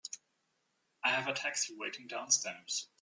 I have a taxi waiting downstairs.